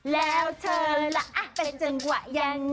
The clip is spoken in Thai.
แล้วเธอละเป็นจังหวะยังไง